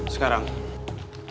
sekarang lo pakai ini